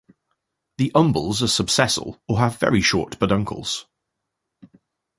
The umbels are subsessile or have very short peduncles.